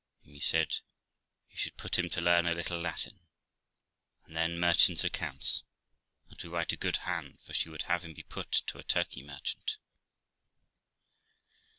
Amy said he should put him to learn a little Latin, and then merchants' accounts, and to write a good hand, for she would have him be put to a Turkey merchant.